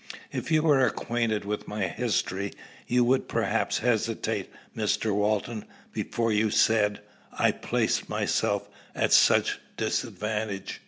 "If you were acquainted with my history, you would perhaps hesitate, Mr. Walton, before you said I placed myself at such disadvantage."